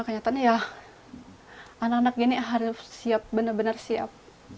kenyataannya ya anak anak gini harus siap benar benar siap